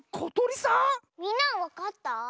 みんなはわかった？